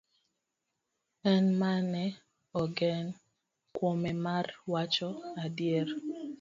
En mane ogen kuome mar wacho adiera.